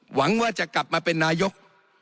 หวังว่าจะกลับมาเป็นนายก